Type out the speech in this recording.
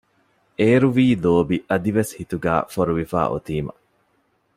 އޭރުވީ ލޯބި އަދިވެސް ހިތުގައި ފޮރުވިފައި އޮތީމަ